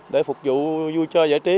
để phục vụ vui chơi giải trí